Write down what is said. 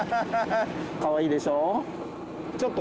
かわいいでしょ？